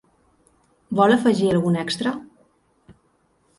Vol afegir algun extra?